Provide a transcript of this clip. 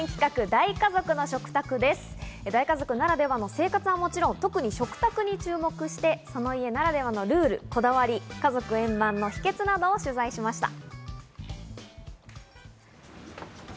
大家族ならではの生活はもちろん、特に食卓に注目して、その家ならではのルール、こだわり、家族円満の秘訣などを取材しました。